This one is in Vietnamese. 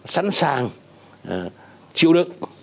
sẵn sàng chịu đựng